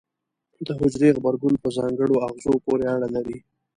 د حجرې غبرګون په ځانګړو آخذو پورې اړه لري.